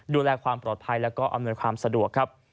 ดูแลความปลอดภัยแล้วก็อำนวยความสะดวกครับ